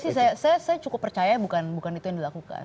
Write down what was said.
sih saya cukup percaya bukan itu yang dilakukan